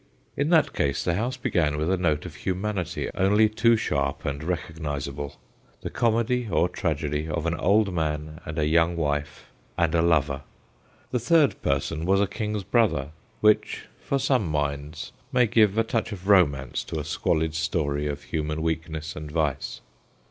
In that case the house began with a note of humanity only too sharp and recognisable the comedy or tragedy of an old man and a young wife and a lover. The third person was a king's brother, which for some minds may give a touch of romance to a squalid story of human weakness and vice.